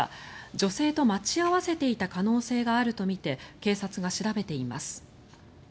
女性と待ち合わせていた可能性があるとみて警察が調べています。